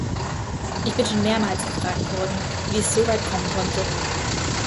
Ich bin schon mehrmals gefragt worden, wie es so weit kommen konnte.